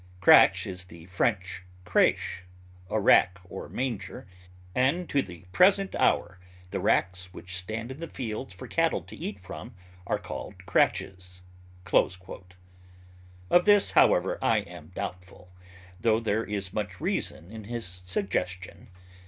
Cratch is the French crêche (a rack or manger), and to the present hour the racks which stand in the fields for cattle to eat from are called cratches." Of this, however, I am doubtful, though there is much reason in his suggestion.